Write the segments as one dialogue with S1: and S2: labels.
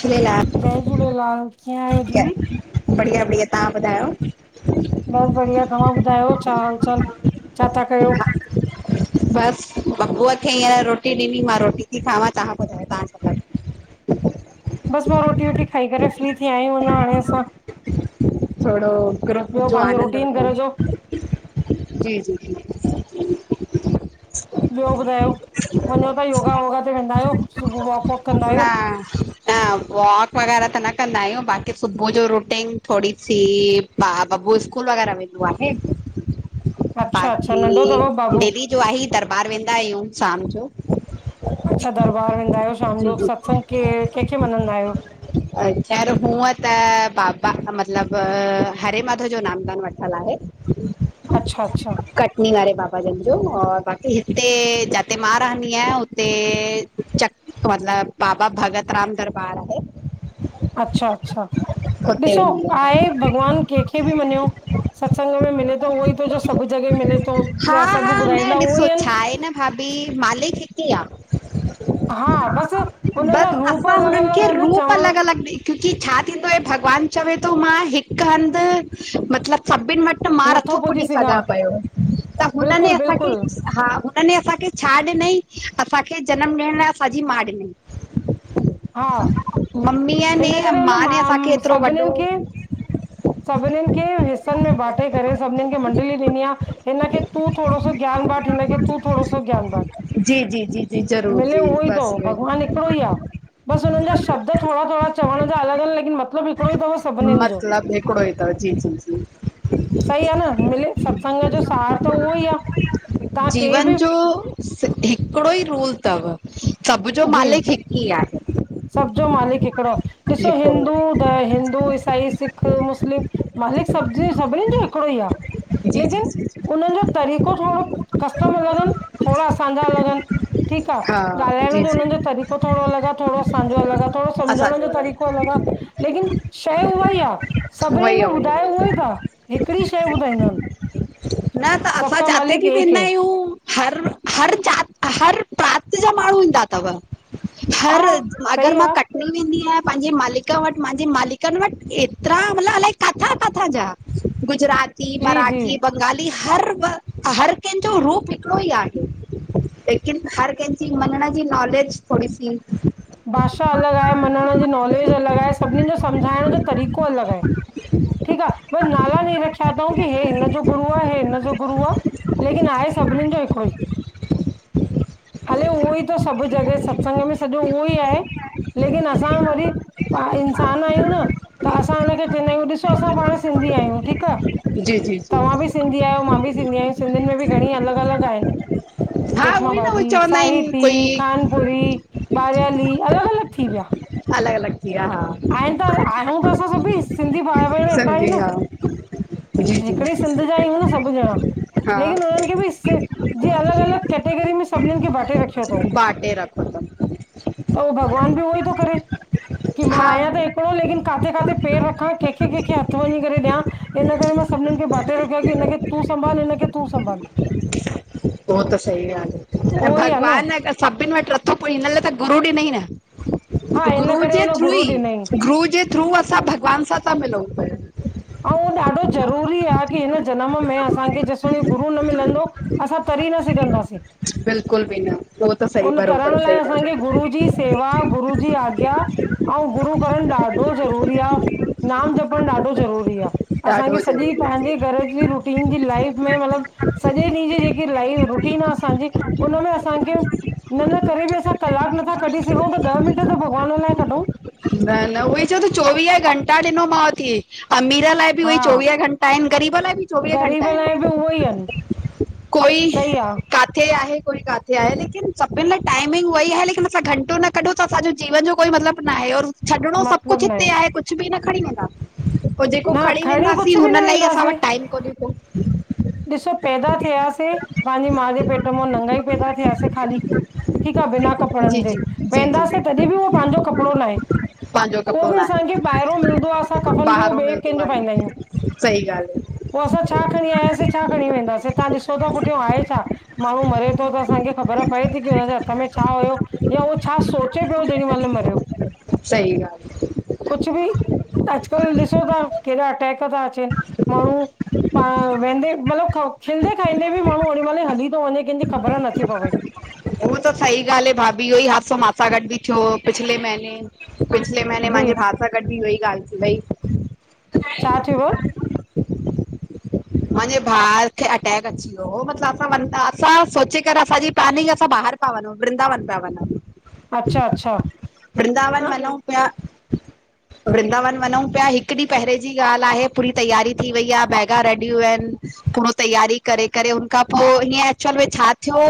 S1: झूलेलाल
S2: जय झूलेलाल कीअं आहियो दी?
S1: बढ़िया बढ़िया तव्हां ॿुधायो?
S2: बस बढ़िया, तव्हां ॿुधायो छा हालचाल? छा था कयो?
S1: [inaudible] बसि बबूअ खे हींअर रोटी ॾिनी, मां रोटी थी खावां, तव्हां ॿुधायो तव्हां सां गॾ
S2: बसि मां रोटी वोटी खाई करे फ्री थी आहियूं अञा हाणे असां
S1: थोड़ो ग्रुप
S2: ॿियो
S1: जो
S2: पंहिंजो
S1: आनंद
S2: रुटीन
S1: वठो
S2: घर जो
S1: जी जी जी
S2: ॿियो ॿुधायो? वञो ता योगा योगा ते वेंदा आहियो? सुबुह वॉक वॉक कंदा
S1: न
S2: आहियो?
S1: न वॉक वग़ैरह त न कंदा आहियूं। बाक़ी सुबुह जो रूटीन थोरी सी हा बबु स्कूल वग़ैरह वेंदो आहे।
S2: अच्छा अच्छा
S1: बाक़ी
S2: नंढो अथव बाबू?
S1: दीदी जो आई दरबार वेंदा आहियूं शाम जो
S2: अच्छा दरबार वेंदा आहियो शाम
S1: जी
S2: जो, सत्संग के कंहिंखे मञदा आहियो?
S1: अ ख़ैर हूअं त बाबा मतलब हरे माधव जो नामदान वठलु आहे
S2: अच्छा अच्छा
S1: कट निवारे बाबा जन जो और बाक़ी हिते जाते मां रहंदी आहियां हुते मतिलब बाबा भगत राम दरबार आहे
S2: अच्छा अच्छा
S1: हुते
S2: ॾिसो
S1: वेंदी आहियां
S2: आहे भॻवानु कंहिंखे बि मञियो सत्संग में मिले थो उहो ईसभु जॻह मिले थो
S1: हा
S2: ज
S1: हा
S2: सभु
S1: न
S2: ॿुधाईंदा उहो
S1: ॾिसो
S2: ई
S1: छा आहे
S2: आहिनि
S1: न भाभी, मालिक हिक ई आ
S2: हा बसि उनजा
S1: बस
S2: रूप
S1: असां
S2: अलॻि
S1: हुननि
S2: अलॻि
S1: खे
S2: आहिनि
S1: रूप
S2: चवण
S1: अलॻि अलॻि ॾई क्योंकी छा थींदो आहे भॻवानु चवे थो मां हिकु हंधि मतिलबु सभिनि वटि मां नथो पुॾी सघां पयो, त हुन ने
S2: बिल्कुलु
S1: असांखे
S2: बिल्कुलु
S1: हि हा हुने असांखे छा ॾिनई? असांखे जनमु ॾियण लाइ असांजी माउ ॾिनई
S2: हा
S1: मम्मी ने
S2: इन करे हुन
S1: मां ने असांखे हेतिरो वॾो
S2: सभिनीनि खे सभिनीनि खे हिसनि में बांटे करे सभिनीनि खे मंडली ॾिनी आ हिन खे तूं थोड़ो सो ज्ञान बांट, हिनखे तूं थोड़ो सो ज्ञान बांट
S1: जी जी जी जी ज़रूरु
S2: मिले
S1: जी
S2: उहो ई अथव
S1: बसि
S2: भॻवानु हिकिड़ो ई
S1: इ
S2: आहे बसि हुननि जा शब्द थोड़ा थोड़ा चवण जा अलॻि आहिनि लेकिन म
S1: मतिलब हिकिड़ो ई तव, जी जी जी
S2: सही आ न मिले सत्संग जो सार त उहो ई आ तहां कंहि
S1: जीवन
S2: बि
S1: जो हिकिड़ो ई रूल तव
S2: जी सब जो मालिक हिकिड़ो, ॾिसो
S1: हिकिड़ो
S2: हिंदू त हिंदू, ईसाई, सिख, मुस्लिम मालिक सभ ज सभिनिनि जो हिकिड़ो ई आ
S1: जी जी
S2: लेकिन
S1: जी जी
S2: उन्हनि जो तरीक़ो थोड़ो कस्टम अलॻ अनि थोड़ा असांजा अलॻ अनि ठीकु आ,
S1: हा
S2: ॻाल्हाइणो
S1: जी जी
S2: जो तरीक़ो थोड़ो अलॻि आ, थोड़ो असांजो अलॻि आ, थोड़ो सम्झण जो तरीक़ो अलॻि आ। लेकिन शय उहा ई आ, सभिनिनि
S1: वई
S2: में
S1: आहे वई
S2: ॿुधायो
S1: आहे
S2: उहोई था, हिकिड़ी शय ॿुधाईंदा आहिन।
S1: न त असां जाते बि
S2: एक
S1: वेंदा
S2: है,
S1: आहियूं हर, हर जात, हर रात जो माण्हू ईंदा थव,
S2: हा
S1: हर
S2: सही
S1: अगरि मां
S2: आ,
S1: क [unintelligible] वेंदी आहियां पंहिंजे मालिक वटि, मांजे मालिकनि वटि एतिरा मतिलबु अलाए काथां काथां जा गुजराती,
S2: जी जी।
S1: मराठी, ब गाली हर, हर कंहिंजो रूप हिकिड़ो ई आहे लेकिन हर कंहिंजी मञण जी नॉलेज थोड़ी सी
S2: भाषा अलॻि आहे, मञण जी नॉलेज अलॻि आहे, सभिनि जो सम्झाइण जो तरीक़ो अलॻि आहे। ठीकु आ, भई नाला बी रखिया थउ के हे हिन जो गुरु आ, हे हिन जो गुरु आ। लेकिन आहे सभिननि जो हिकिड़ो ई हले उहो ई थो सभु जॻह सत्संग में सॼो उहो ई आहे लेकिन असां वरी पाण इंसानु आहियूं न, त असां हुनखे चवंदा आहियूं ॾिसो असां पाण सिंधी आहियूं, ठीकु आ।
S1: जी, जी, जी।
S2: सिंधी आहियो, मां भी सिंधी आहिया, सिंधियुनि में बि घणी अलॻि- अलॻि आहिनि।
S1: हा उहो ई न उहो
S2: जेखमाबादी,
S1: चवंदा आहिनि
S2: साहिती,
S1: कोई
S2: खानपुरी, बारियाली, अलॻि -अलॻि थी विया।
S1: अलगि् -अलॻि थी वया हा।
S2: आहिनि त, आहियूं त, असां सभई सिंधी, भाउ -भेण हिकॾा ई
S1: समझी
S2: न
S1: हा जी
S2: हिकिॾै
S1: जी
S2: सिंध जा आहियूं न सभु ॼणा।
S1: हा
S2: लेकिन उन्हनि खे बि सि जीअ, अलॻि, अलॻि कैटेगरी में सभिनीनि खे ॿाटे रखियो आ।
S1: ॿाटे रखं तां
S2: त उह भॻवान बि उहो ई थो करे, की मां
S1: हा
S2: आहियां त हिक ॾौ, लेकिन काथे- काथे पेर रखां, कंहिंखे- कंहिंखे हथ वञी करे ॾयां हिन [unintelligible] मां सभिनीनि खे ॿाटे रखियो आ, कि हिनखे तूं संभाल, हिनखे तूं संभाल।
S1: उहो त सही गा़ल आ,
S2: उहो
S1: त
S2: ई आहे न
S1: भॻवान आ त सभिनि वठ हिन लाइ त गुरु ॾिनई न,
S2: हा इन
S1: गुर
S2: करे
S1: जे
S2: हुन
S1: थ्रू
S2: गुरू
S1: ई,
S2: ॾिनई ऐं
S1: गुरु जे थ्रू, असां भॻवान सां मिलूंऊ पिया
S2: ऐं ॾाढो ज़रूरी आ की हिन जनम में असांखे, जेसतोण गुरु न मिलंदो असां, तरी न सघंदासे
S1: बिल्कुलु भी न। उहो त सही
S2: हुन तरण
S1: बरोबरि
S2: लाइ
S1: सही था
S2: असांखे,
S1: चओ
S2: गुरू जी सेवा, गुरू जी आज्ञा ऐं गुरु करण ॾाढो ज़रूरी आ, नाम जपणु ॾाढो ज़रूरी आ। सही आ,
S1: ॾाढो
S2: असांखे सॼी
S1: ज़रूरी आहे
S2: पंहिंजे घर जी रुटीन जी लाइफ में मतलबु सॼे ॾींहं जी जेकी लाइफ रुटीन आ, असांजी हुनन में असांखे न, न करे बि असां कलाकु नथा कॾी सघूं, त ॾह मिंट त भॻवान लाइ कढूं।
S1: न, न उहोई चवां ति चोवीह घंटा ॾिनोमांव थी, अमीर लाइ उहे
S2: हा
S1: चोवीह घंटा आहिनि, ग़रीब लाइ बि चोवीह घंटा
S2: ग़रीब लाइ बि उहो ई
S1: आहिनि। कोई
S2: सही आ
S1: काथे आहे, कोई काथे आहे, लेकिन सभिनि लाइ टाइमिंग उई आहे, लेकिन असां घंटो न कॾु तां, असांजे जीवन जो कोई मतिलबु न आहे और छॾिणो सभु
S2: मतिलबु
S1: कुझु
S2: न
S1: हिते आहे, कुझु बि न खणी वेंदा पोइ जेको
S2: न
S1: खणी वेंदासीं,
S2: कुझु बि
S1: हुन
S2: न
S1: लाइ ई असां
S2: वेंदासीं
S1: वटि टाइम कोन्हे को
S2: ॾिसो, पैदा थियासीं, पंहिंजे माउ जे पेट मां नंगाई पैदा थियासीं ख़ाली ठीकु आ बिना कपिड़नि
S1: जी
S2: जे,
S1: जी जी जी
S2: वेंदासे तॾहिं बि उहो पंहिंजो कपिड़ो ना हे।
S1: पंहिंजो
S2: उहो
S1: कपिड़ो न
S2: बि
S1: आहे
S2: असांखे ॿाहिरो मिलंदो आ, असां कफन जो
S1: ॿाहिरो
S2: ॿिए
S1: मिलंदो
S2: कंहिंजो
S1: आहे
S2: पाईंदा आहियूं।
S1: सही गा्ल्हि
S2: पो असां छा खणी आयासें, छा खणी वेंदासे, तहां ॾिसो त पुठियो आहे छा माण्हूं मरे तो त असांखे ख़बर पए थी, की हुनजे हथ में छा हुयो? या हो छा सोचे पियो, जेॾी महिल मरियो
S1: सही ॻाल्ह आ
S2: कुछु बि अॼुकल्ह ॾिसो ता केॾा अटैक ता अचेनि, माण्हूं पाण वेंदे मतिलब खिलदे - खाईंदे बि माण्हूं ओॾी महिल हली तो वंञे, केंजी ख़बर नथी पवे।
S1: हू त सहीॻाल्हि आहे भाभी इह्यो ई हादसो मासा गॾु बि थियो पिछले महीने पिछले महीने
S2: जी
S1: मांजे भाउ सां गॾु बि इह्यो ई ॻाल्हि थी वई
S2: छा थियुव?
S1: मांजे भाउ खे अटैक अची वियो हो, मतलब असां- असां सोचे करे असांजी प्लनिंग असां बाहर पा वंञंउं, वृंदावन पिया वनंउं
S2: अच्छा- अच्छा।
S1: वृंदावन वनंउं पिया वृंदावन वञंउं पिया, हिकु ॾींहुं पहिरें जी ॻाल्हि आहे पूरी तैयारी थी वई आ बैगा रेडी यूं आहिन पूरो तैयारी करे-करे हुन खां पो हीअं एक्चुअल में छा थियो?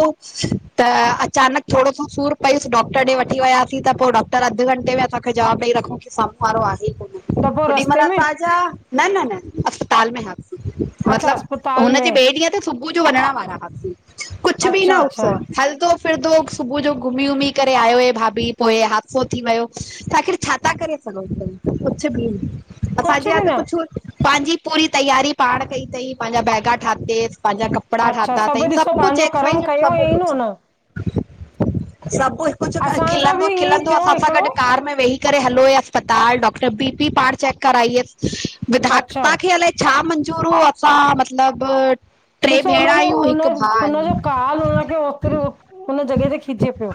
S1: त अचानक थोड़ो सो सूर पयुस डॉक्टर ॾे वठी वियासीं त पो डॉक्टर टर अधु घंटे में असांखे जवाब ॾई रखंउं की साम्हूं वारो आहे ई कोन्ह
S2: त पोइ
S1: ओॾीमल
S2: रस्ते में
S1: असांजा न-न-न अस्पताल में हास
S2: अच्छा
S1: मतलब
S2: अस्पताल
S1: हुनजे
S2: में
S1: ॿिए ॾींहं ते सुबुअ जो वंञंण वारा हासीं कुछ बि न
S2: अच्छा
S1: हुस
S2: अच्छा
S1: हलदो फिरदो सुबुअ जो घुमी वुमी करे आयो हे भाभी पो हे हादसो थी वयो त आख़िर छा ता करे सघंउं भई, कुछ बि
S2: कुझु
S1: नअसांजे
S2: बि
S1: हथ
S2: न
S1: कुछ पांजि पूरी तैयारी पांण कई तंई पांजा बैगा ठातेज़ पांजा कप कपड़ा
S2: अच्छा
S1: ठाता तई
S2: ॾिसो
S1: सभु कुछ
S2: पंहिंजो
S1: एक्स वाई
S2: कर्म
S1: ज़ेड
S2: कयो
S1: सभु
S2: ईअं न हुन
S1: कुछु सभ कुछ
S2: असां सां बि
S1: खिलंदो
S2: ईअं ई
S1: खिलंदो
S2: थियो
S1: असां सां
S2: हिकिड़ो
S1: गॾु कार में वेही करे हलो अस्पताल डॉक्टर बी-पी पांण चेक कराई हस
S2: अच्छा
S1: विधाता खे अलाए छा मंज़ूर हो असां मतलब
S2: ॾिसो हुनजो उन उनजो काल हुनखे ओतरो उन जॻह ते खिचे पियो।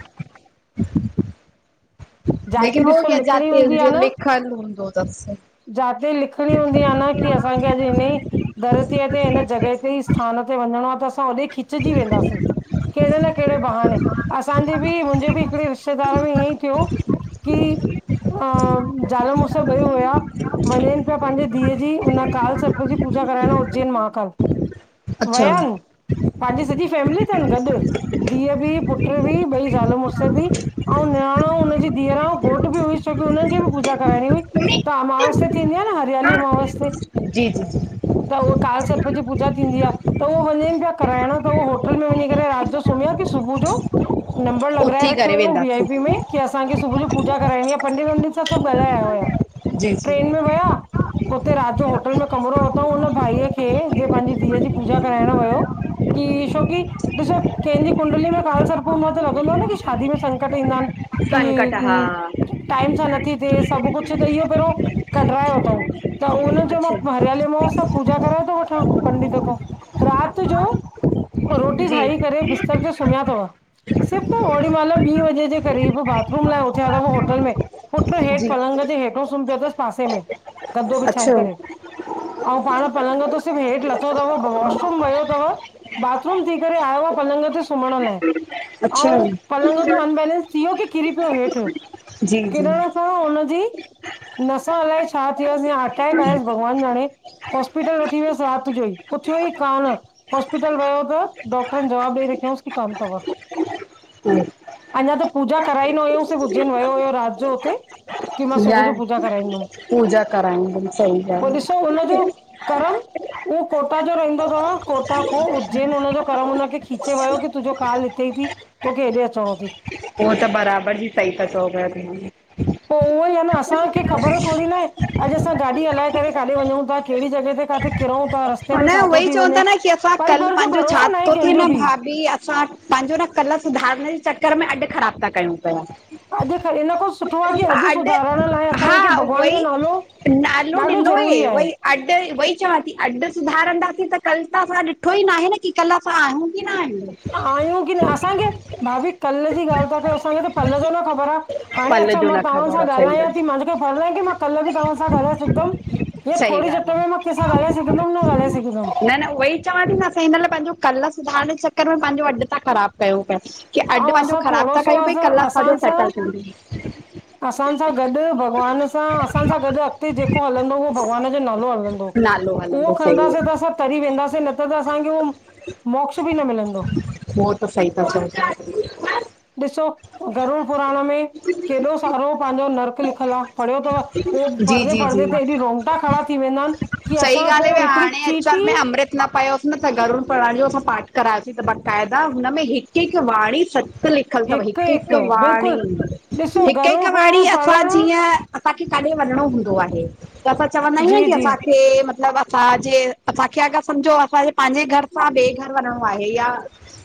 S1: लेकिन
S2: जिते
S1: हो
S2: ॾिसो
S1: गया
S2: लिखणी
S1: जाते
S2: हूंदी आहे
S1: जे
S2: न
S1: लिखल हूंदो तस
S2: जाते लिखणी हूंदी आ न की अस असांखे अॼु हिनई धरतीअ ते हिन जॻह ते ई स्थान ते वंञिंणो आ तस असां होडे खिचजी वेंदासीं। केड़े न केड़े बहाने असांजे बि मुंजे बि हिकिड़े रिश्तेदार में ईयंई थियो की हो ॿई हुया वंञेंनि पिया पांजे धीअ जी उन काल सर्प जी पूजा कराइण उज् उजैन महाकाल,
S1: अच्छा
S2: वया इन पांजी सॼी फैमिली तन गॾु धीअ बि पुट्र बि ॿई ज़ाल मुर्स बि अऊं निराण अंउं उनजी धीअरां घोटु बि हुयुस छोकी उन्हन खे भी पूजा कराइणी हुई त अमावसया थींदी आ न हरियाली अमावस ते
S1: जी जी जी
S2: त उह काल सर्प जी पूजा थींदी आ, त उवो वंञेंन पिया करांएण त उवो होटल में वंञी करे राति जो सुम्या की सुबु जो नंबर लॻराए
S1: उथी
S2: रखियो
S1: करे
S2: हुयंउं वी आई
S1: वेंदासीं।
S2: पी में की असां खे सुबुअ जो पूजा कराईणी आ, पंडित वंडित सां सभु ॻाल्हाए आया हुया, ट्रेन में वया
S1: ह [unintelligible]
S2: उते राति जो होटल में कमरो वरितऊं उन भाईअ खे जे पंहिंजी धीअ जी पूजा कराइण वयो। कि शो की [unintelligible] ॾिसो केहंजी कुंडलीअ में काल सर्प हूंदो आ त लॻंदो आ न कि शादी में संकट ईंदा आइन।
S1: संकट
S2: टाइम सां नथी थिए, सब कुछ त इहो पेहरों कढराए थऊं। त उन चयो
S1: अच्छा
S2: मां हरियालीे अमावस आ, मां पूजा कराए थो वठां पंडित खां। राति जो रोटी
S1: जी
S2: खाई करे बिस्तर ते सुम्या थव सिर्फ़ ओॾी मइल ॿीं वजे जे क़रीब बाथरूम लाय उथया थव होटल में पुट्र हेठ
S1: जी
S2: पलंग जे हेठो सुम पियो थस पासे में गदो बिछाए
S1: अच्छा
S2: करे अंउ पाण पलंग तों सिर्फ हेठि लथो थव वॉशरुम वयो थव बाथरूम थी करे आयो आ पलंग ते सुम्हण लाय
S1: अच्छा
S2: अंउ पलंग तों अनबेलेंस थी वियो कि किरी पियो हेठि।
S1: जी जी
S2: किरण हुनजी नस अलाए छा थियुसि या अटैक आयुसि, भॻवानु जाणे हॉस्पिटल वठी वयसि रात जो ई, उथियो ई कान। हॉस्पिटल वयो त डॉक्टरनि जवाबु ॾई रखियोंसि कि कान थव।
S1: [unintelligible]
S2: अंञा त पूजा कराई न हुयंउस, ह उज्जैन वयो हुयो रात जो हुते कि मां सुबुह
S1: इहा
S2: जो पूजा कराईंदम।
S1: पूजा कराईंदमि सही
S2: पो
S1: ॻाल्हि
S2: ॾिसो हुनजो करम उहो कोटा जो रहंदो थव, कोटा खो उज्जैन उनजो करर् हुनन खे खीचे वयो कि तुंहिंजो काल हितेई थई तोखे हेॾे अचणो थई।
S1: उहो त बराबरि जी सही था चओ पया दीदी।
S2: पो उहोई आ न असांखे ख़बर थोङी ना आहे अॼु असां गाॾी हलाए करे काडे वंञंउं था, केड़ी जॻह ते काथे किरंउ ता रास्
S1: हुन उहोई चवन था न कि असां कल
S2: जो
S1: पांजो छा
S2: भरोसो न आहे
S1: थो थे
S2: कंहिंजो
S1: न
S2: बि
S1: भाभी असां पांजो न कल सुधारण जे चक्कर में अॼ ख़राब ता कयूं पया।
S2: अॼु ख़ इन खो सुठो आए कि अॼु सुधारण लाय असांखे
S1: हा
S2: भॻवान जो
S1: उहोई
S2: नालो
S1: नालो
S2: ॾाढो
S1: ॾिनो हे
S2: ज़रूरी आहे
S1: वई अॾ वई चवां थी अॾ सुधारंदासीं त कल त असां ॾिठो ई न आहे न की कल असां आयूं कि न आयूं।
S2: आहियूं की न असांखे, भाभी कल जी ॻाल ता कयो असांखे त पल जी न ख़बर आ। हाणे
S1: पल
S2: अच्छा
S1: जो
S2: मां
S1: न
S2: तव्हां
S1: ख़बर
S2: सां
S1: आहे सही
S2: ॻाल्हायां थी
S1: ॻाल्हि
S2: मांजो कि [unintelligible] आए की मां कल बि तव्हां सां ॻाल्हाए सघंदम! हे
S1: सही
S2: थोड़ी जा
S1: ॻाल्हि
S2: त मां कैंसा गल्हाए सघदम!
S1: न न उहई चवां थी न असां हिन लाय पंहिंजो कल सुधारण जे चक्कर में पंहिंजो अडु तां ख़राबु कयूं पिया। कि
S2: ऐं
S1: अडु पंहिंजो
S2: असां
S1: ख़राबु
S2: थोड़ो
S1: था
S2: सो
S1: कयूं, भई
S2: असां
S1: कल असांॼो
S2: असां
S1: सेटल
S2: सां
S1: थींदो।
S2: असां सां गॾु भॻवान सां असां सां गॾु अॻिते जेको हलंदो उहो भॻवान जो नालो हलंदो।
S1: नालो हलंदो
S2: उहो
S1: सही
S2: खणदासीं त
S1: आहे
S2: असां तरी वेंदासीं न त त असांखे उहो मोक्ष बि न मिलंदो।
S1: उहो त सही ता चओ प्या।
S2: ॾिसो, गरुड़ पुराण में केॾो सारो पांजो नर्क लि खयल आ, पढ़ियो तव उहो
S1: जी
S2: पढ़दे
S1: जी
S2: पढ़दे
S1: जी
S2: त एॾी रोंगटा खड़ा थी वेंदा आन कि असां पो हिकिड़ी चीटी
S1: ना पयोसि न त गरूड़ पुराण जो असां पाठ करायोसीं त बाक़ाइदा हुन में हिकु हिकु वाणी सत लिख खल तव
S2: हिकु
S1: हिक हिक
S2: हिकु
S1: वाणी,
S2: बिल्कुलु ॾिसो
S1: हिक हिक
S2: गरुड़
S1: वाणी
S2: पुराण पढ़ण
S1: जीअं असांखे काथे वञणो हूंदो आहे त असां चवंदा आहियूं न
S2: जी
S1: की
S2: जी
S1: असांखे मतलब तांजे, असांखे अगर सम्झो असांजे पांजे घर सां ॿे घर वञिणो आहे या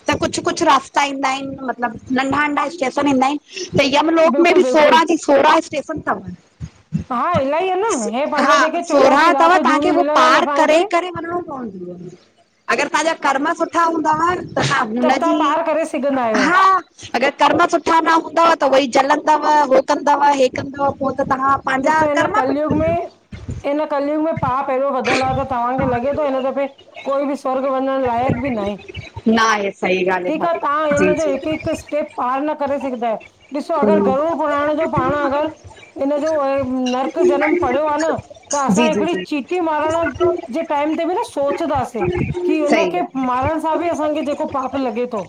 S1: त कुछ कुछ रास्ता ईंदा ईन मतलब नंढा नंढा स्टेशन ईंदा ईन। त यमलोक में बि
S2: बिल्कुलु बिल्कुलु
S1: सोराह जी सोराह स्टेशन तव।
S2: हा इलाही आहे
S1: स
S2: न हे पंहिंजा
S1: हा
S2: जेके चोरासी
S1: सोराह तव
S2: लाख
S1: तव्हांखे
S2: जूणियूं
S1: हो
S2: मिलियल आहिनि
S1: पार करे
S2: असांखे
S1: करे वञनो पंवदी आ अगर तांजा कर्म सुठा हूंदाव त हां
S2: तब तव्हां
S1: हुनजी
S2: पार करे सघंदा आहियो
S1: हा अगर कर्म सुठा न हूंदव त उएई जलंदव उहो कंदव हे कंदव पो त तहां पांजा
S2: ॾिसो हिन
S1: कर्मा
S2: कलयुग
S1: पिट
S2: में इन कलियूंग में पाप एरो वधल आ त तव्हांखे लॻे तो हिन दफ़े कोई बि स्वर्ग वञण लाइक़ बि न आए।
S1: न आहे सही ॻाल्हि
S2: ठीक आ
S1: आहे भाभी
S2: तां हिन जो
S1: जी
S2: हिक हिक स्टेप पार न करे सघदा आयो। ॾिसो अगर गरूर पुरान जो पाण अगर ओ अ नर्क जनम पढ़यो आ न असां
S1: जी जी जी
S2: हिकड़ी ची
S1: जी
S2: टी मारण जे टाइम ते बि न सोचदासे। की हुन
S1: सही
S2: खे
S1: ॻाल्हि
S2: मारण सां बि असांखे जेको पाप लॻे तो।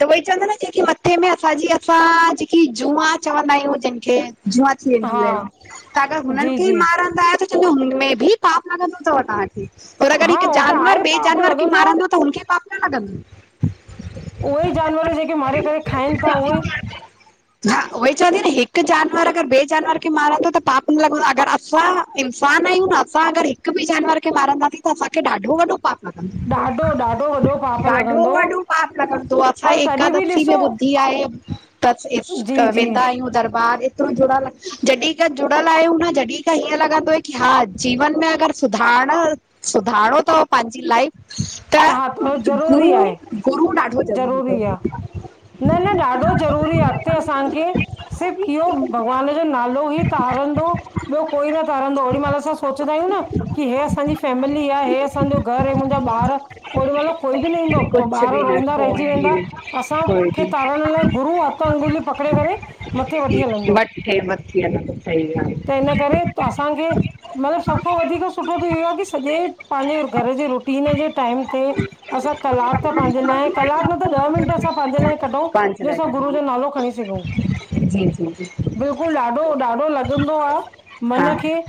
S1: त उअई चवंता न जेकी मथे में असांजी असां जेकी जुआ चवंदा आयूं जिनखे जुआ
S2: हा
S1: थींदीयूं एन छा त हुनन
S2: जी
S1: खे
S2: जी
S1: मारंदा आव जेको हुनमें बि पाप लॻंदो तव तांखे। और अगर
S2: हा
S1: हिक
S2: हो त
S1: जानवर
S2: आहे
S1: ॿे
S2: पाप
S1: जानवर खे
S2: लॻंदो आहे
S1: मारंदो त हुनखे पाप न लॻंदो।
S2: उहे ई जानवर जेके मारे करे खाइन ता उए
S1: हा उहई चवांदी न हिक जानवर अगर ॿे जानवर खे मारंदो त पाप न लॻदो अगर असां इंसान आयूं त असां अगर हिक बि जानवर खे मारंदासीं त असांखे ॾाढो वॾो पाप आ।
S2: ॾाढो ॾाढो वॾो पाप
S1: ॾाढो
S2: लॻंदो
S1: वॾो पाप लॻंदो असां
S2: पर तॾहिं बि
S1: एकादशी में
S2: ॾिसो
S1: ॿु थी आये त इस
S2: जी
S1: त
S2: जी
S1: वेंदा आयूं दरबार तू जुड़ल जॾीं खां जुड़यल आयूं न जॾीं खां हीअं लॻंदो आह की हा जीवन में अगर सुधारण सुधारणो तव पांजी लाइफ त
S2: हा ज़रूरी
S1: गुरू
S2: आहे
S1: गुरू ॾाढो जरूरी
S2: ज़रूरी आ
S1: तव।
S2: न न ॾाढो जरूरी आह अॻते असांखे सिर्फ़ इहो, भॻवान जो नालो ही तारंदो। ॿियो कोई न तारंदो ओॾी मल असां सोचंदा आयूं न। की हे असांजी फैमिली आह, हे असांजो घर, हे मुंजा ॿार। ओॾी मल कोई बि न ईंदो, त
S1: कुझु
S2: ॿार
S1: बि न
S2: रोईंदा
S1: कोई
S2: रहजी
S1: बि
S2: वेंदा असां
S1: कोई
S2: मूंखे
S1: बि
S2: तारण लाइ गुरू हथ अंगुली पकड़े करे मथे वठी हलंदो।
S1: वठे मथे न सही
S2: त इन करे
S1: ॻाल्ह
S2: त असांखे मतलब सभखां वधीक सुठो थी ईयो आह की सॼे पांजे घर जे रुटीन जे टाइम असा कलाक पांजे लाये कलाक न त ॾ मिंट असा पांजे लाये कढऊं
S1: पंहिंजे
S2: जेसा गुरू
S1: लाइ
S2: जो नालो खणी सघूं।
S1: जी जी जी
S2: बिल्कुल ॾाढो ॾाढो लॻंदो आहे मन
S1: हा
S2: खे